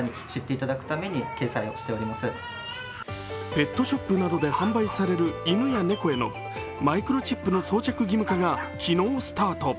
ペットショップなどで販売される犬や猫へのマイクロチップの装着義務化が昨日スタート。